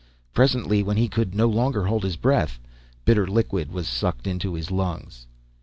Presently, when he could no longer hold his breath, bitter liquid was sucked into his lungs.